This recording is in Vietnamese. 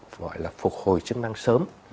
gọi là phục hồi chức năng sớm